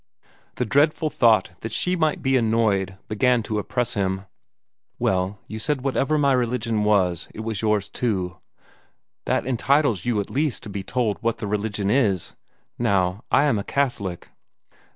The dreadful thought that she might be annoyed began to oppress him. "Well, you said whatever my religion was, it was yours too. That entitles you at least to be told what the religion is. Now, I am a Catholic."